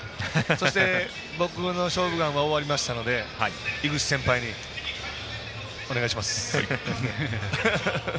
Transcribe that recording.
そして僕の「勝負眼」が終わりましたので井口先輩にお願いします。